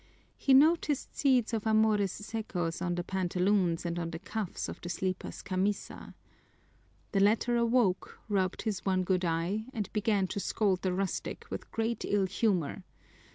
He noticed seeds of amores secos on the pantaloons and on the cuffs of the sleeper's camisa. The latter awoke, rubbed his one good eye, and began to scold the rustic with great ill humor.